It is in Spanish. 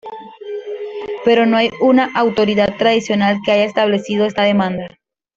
Pero no hay una autoridad tradicional que haya establecido esta demanda.